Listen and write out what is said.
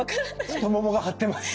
太ももが張ってます。